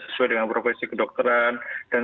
sesuai dengan profesi kedokteran dan